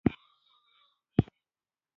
موږ تر اوسه په خوړنځای کې وو.